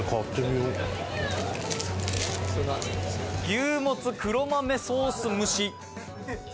牛モツ黒豆ソース蒸し。